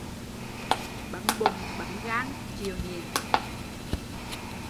Bấm bụng bấm gan chịu nhịn